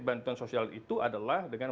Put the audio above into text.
bantuan sosial itu adalah dengan